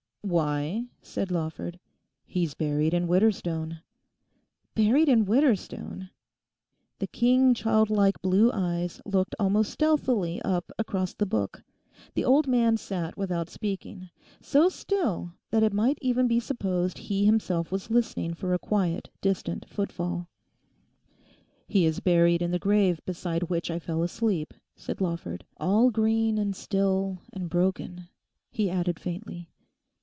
'Why,' said Lawford, 'he's buried in Widderstone.' 'Buried in Widderstone?' The keen childlike blue eyes looked almost stealthily up across the book; the old man sat without speaking, so still that it might even be supposed he himself was listening for a quiet distant footfall. 'He is buried in the grave beside which I fell asleep,' said Lawford; 'all green and still and broken,' he added faintly.